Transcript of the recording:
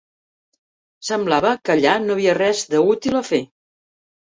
Semblava que allà no hi havia res d'útil a fer.